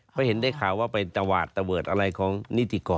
เพราะเห็นได้ข่าวว่าไปตวาดตะเดิดอะไรของนิติกร